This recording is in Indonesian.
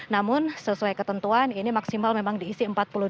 namun sesuai ketentuan ini maksimal memang diisi empat puluh dua